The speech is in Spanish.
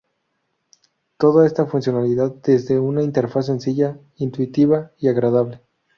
Toda esta funcionalidad desde una interfaz sencilla, intuitiva y agradable.